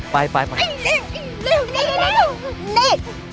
ไปไปไปไอ้เหลวไอ้เหลวไอ้เหลวไอ้เหลว